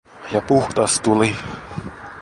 Ja puhdas tuli.